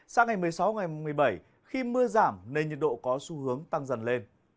sáng ngày một mươi sáu ngày một mươi bảy khi mưa giảm nên nhiệt độ có xu hướng tăng dần lên